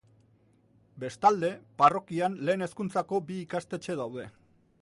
Bestalde, parrokian lehen hezkuntza bi ikastetxe daude.